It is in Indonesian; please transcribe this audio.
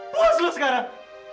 puas lo sekarang